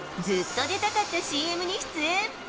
ずっと出たかったＣＭに出演。